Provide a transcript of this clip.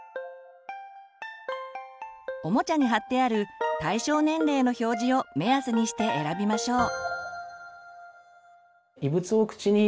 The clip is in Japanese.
おもちゃに貼ってある対象年齢の表示を目安にして選びましょう。